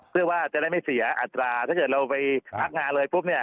เพื่อว่าจะได้ไม่เสียอัตราถ้าเกิดเราไปพักงานเลยปุ๊บเนี่ย